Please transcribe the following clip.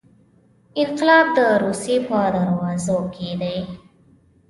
انقلاب د روسیې په دروازو کې دی.